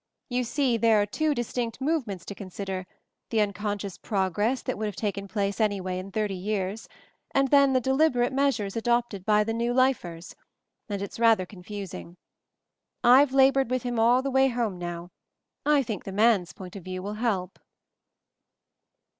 You see, there are two distinct movements to consider, the un conscious progress that would have taken place anyway in thirty years, and then the MOVING THE MOUNTAIN 99 deliberate measures adopted by the 'New Lifers/ and it's rather confusing. IVe la bored with him all the way home now; I think the man's point of view will help."